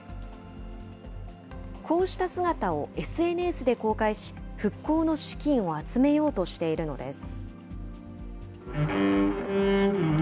こうした姿をＳＮＳで公開し、復興の資金を集めようとしているのです。